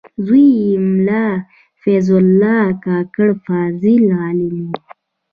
زوی یې ملا فیض الله کاکړ فاضل عالم و.